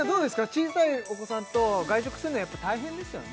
小さいお子さんと外食するのやっぱ大変ですよね？